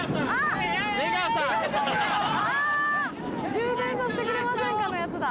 「充電させてくれませんか？」のやつだ。